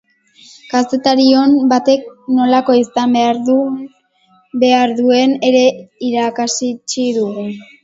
Kazetari on batek nolakoa izan behar duen ere irakatsi digu.